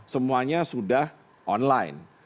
semuanya sudah online